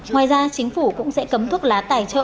ngoài ra chính phủ cũng sẽ cấm thuốc lá tài trợ